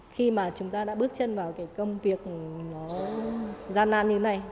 khi mà chúng ta đã bước chân vào cái công việc nó gian nan như thế này